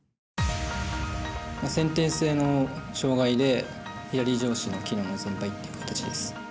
先天性の障がいで左上肢の機能の全廃という感じです。